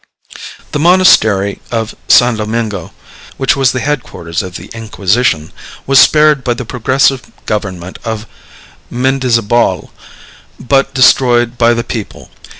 The monastery of San Domingo, which was the head quarters of the Inquisition, was spared by the progressive government of Mendizabal, but destroyed by the people.